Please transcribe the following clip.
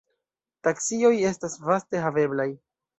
Taksioj estas vaste haveblaj.